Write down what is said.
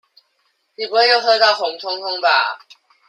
你不會又喝到紅通通吧？